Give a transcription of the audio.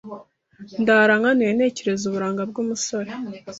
ndara nkanuye ntekereza uburanga bw’umusore